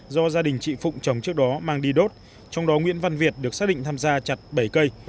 do gia đình chị phụng chồng trước đó mang đi đốt trong đó nguyễn văn việt được xác định tham gia chặt bảy cây